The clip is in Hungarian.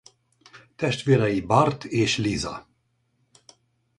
Testvérei Bart és Lisa.